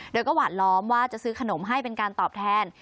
โดยก็หวาดล้อมว่าจะซื้อขนมให้เป็นการตอบแทน